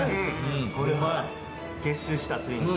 これは結集したついに。